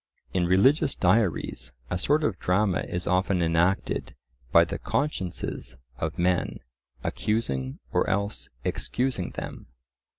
In religious diaries a sort of drama is often enacted by the consciences of men "accusing or else excusing them."